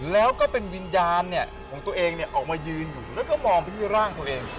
แล้วก็เป็นวิญญาณเนี่ยของตัวเองเนี่ยออกมายืนแล้วก็มองไปที่ร่างตัวเอง